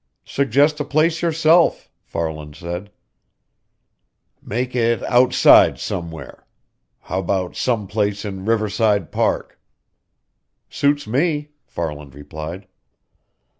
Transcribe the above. "Suggest a place yourself," Farland said. "Make it outside somewhere. How about some place in Riverside Park?" "Suits me," Farland replied.